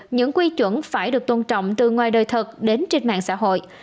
những quy chuẩn phải được tôn trọng từ ngoài đời thật đến trên mạng xã hội